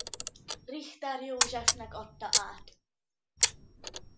Richter Józsefnek adta át.